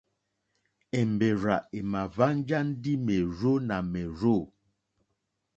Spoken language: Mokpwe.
Èmbèrzà èmà hwánjá ndí mèrzó nà mèrzô.